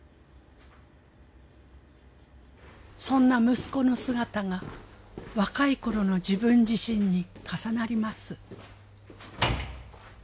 そんな息子の姿が若いころの自分自身に重なります。